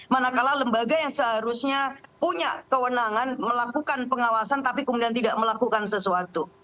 manakala lembaga yang seharusnya punya kewenangan melakukan pengawasan tapi kemudian tidak melakukan sesuatu